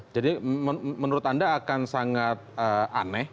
jadi menurut anda akan sangat aneh